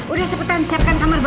udah cepetan siapkan kamar buat